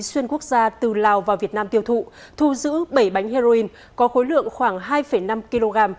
xuyên quốc gia từ lào vào việt nam tiêu thụ thu giữ bảy bánh heroin có khối lượng khoảng hai năm kg